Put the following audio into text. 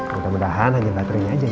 mudah mudahan hanya baterainya aja